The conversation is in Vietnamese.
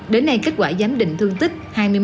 đến nay kết quả giám định thương tích hai mươi một